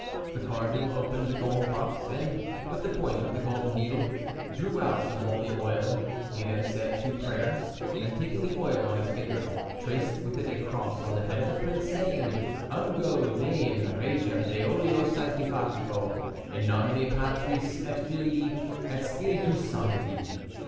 The cardinal opened the gold box, and, with the point of a golden needle, drew out some holy oil; he then said two prayers, and taking the oil on his finger, traced with it a cross on the head of the prince, saying, "Ungo dein regem de oleo sanctificato, in nomine Patris et Filii et Spiritus Sancti."